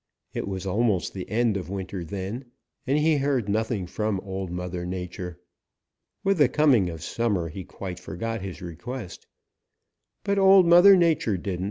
It was almost the end of winter then, and he heard nothing from Old Mother Nature. With the coming of summer he quite forgot his request. But Old Mother Nature didn't.